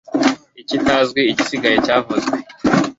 ikitazwi igisigaye kitavuzwe